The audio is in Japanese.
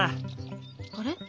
あれ？